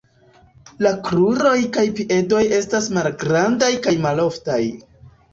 La kruroj kaj piedoj estas malgrandaj kaj malfortaj.